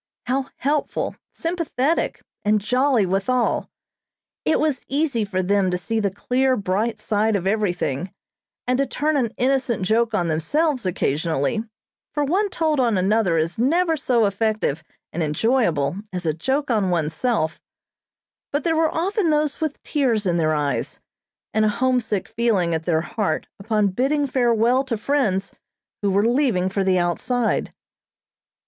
How helpful, sympathetic, and jolly withal. It was easy for them to see the clear, bright side of everything, and to turn an innocent joke on themselves occasionally; for one told on another is never so effective and enjoyable as a joke on oneself; but there were often those with tears in their eyes, and a homesick feeling at their heart upon bidding farewell to friends who were leaving for the outside.